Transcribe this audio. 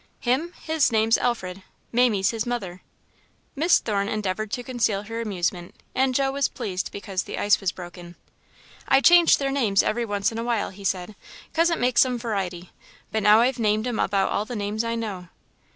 "Him? His name's Alfred. Mamie's his mother." Miss Thorne endeavoured to conceal her amusement and Joe was pleased because the ice was broken. "I change their names every once in a while," he said, "'cause it makes some variety, but now I've named'em about all the names I know."